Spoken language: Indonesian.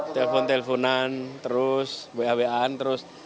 telpon telponan terus wa waan terus